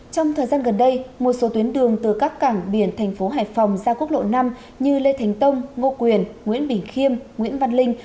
trong thời gian gần đây một số tuyến đường từ các cảng biển thành phố hải phòng ra quốc lộ năm như lê thánh tông ngô quyền nguyễn bình khiêm nguyễn văn linh